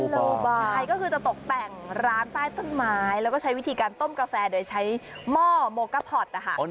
โลบายก็คือจะตกแต่งร้านใต้ต้นไม้แล้วก็ใช้วิธีการต้มกาแฟโดยใช้หม้อโมกะพอร์ตนะคะ